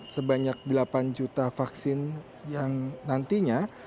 sebanyak delapan juta vaksin yang nantinya